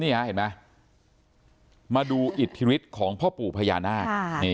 เห็นไหมมาดูอิทธิฤทธิ์ของพ่อปู่พญานาค